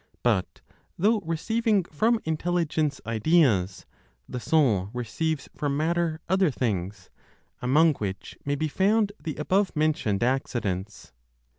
But though receiving from Intelligence ideas, the soul receives from matter other things, among which may be found the above mentioned accidents.